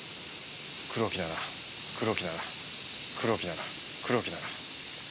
黒木なら黒木なら黒木なら黒木なら。